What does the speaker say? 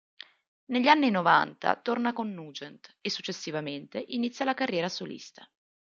Negli anni novanta torna con Nugent, e successivamente inizia la carriera solista.